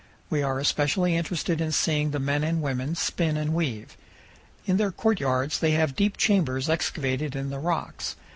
We are especially interested in seeing the men and women spin and weave. In their courtyards they have deep chambers excavated in the rocks.